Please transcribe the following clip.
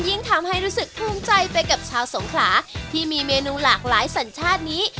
ยิ่งทำให้รู้สึกภูมิใจไปกับชาวสงขลาที่มีเมนูหลากหลายสัญชาตินี้